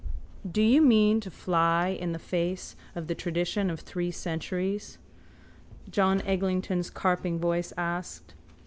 —Do you mean to fly in the face of the tradition of three centuries? John Eglinton's carping voice asked.